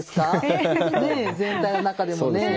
ねえ全体の中でもねえ。